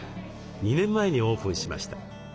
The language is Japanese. ２年前にオープンしました。